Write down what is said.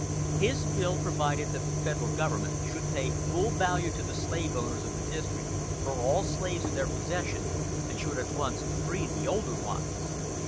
His bill provided that the Federal Government should pay full value to the slave holders of the District for all slaves in their possession, and should at once free the older ones.